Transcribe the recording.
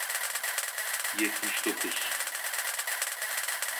Yetmiş dokuz.